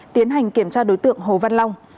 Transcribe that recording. tiến hành kiểm tra đối tượng hồ văn long